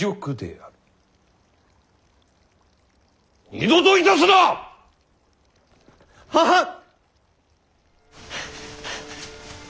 二度といたすな！ははっ！